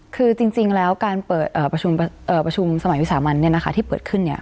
คือจริงแล้วการเปิดประชุมสมัยวิสามันที่เปิดขึ้น